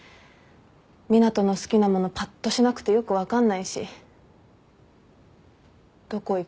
湊斗の好きなものぱっとしなくてよく分かんないしどこ行く？